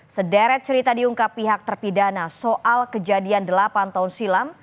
sederet cerita diungkap pihak terpidana soal kejadian delapan tahun silam